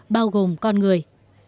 bao gồm con người